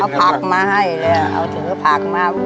เอาผักมาให้ชื้อผักมา